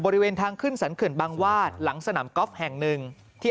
บริเวณทางขึ้นสรรเขื่อนบางวาดหลังสนามกอล์ฟแห่งหนึ่งที่